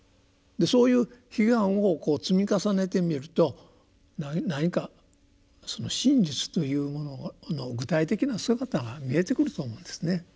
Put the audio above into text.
そういう悲願を積み重ねてみると何か真実というものの具体的な姿が見えてくると思うんですね。